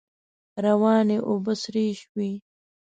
روانې اوبه سرې شوې.